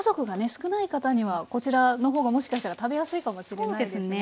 少ない方にはこちらのほうがもしかしたら食べやすいかもしれないですね。